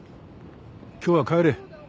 今日は帰れ。